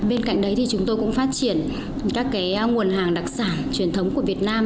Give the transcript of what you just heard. bên cạnh đấy thì chúng tôi cũng phát triển các nguồn hàng đặc sản truyền thống của việt nam